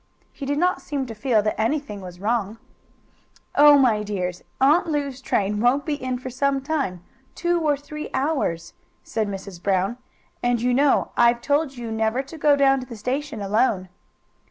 He did not seem to feel that anything was wrong. "Oh, my dears, Aunt Lu's train won't be in for some time two or three hours," said Mrs. Brown. "And you know I've told you never to go down to the station alone."